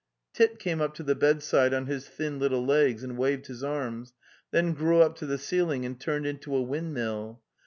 Tit came up to the bedside on his thin little legs and waved his arms, then grew up to the ceiling and turned into a windmill.